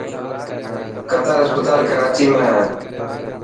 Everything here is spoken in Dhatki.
قتر اسپتال ڪراچي ۾ هي.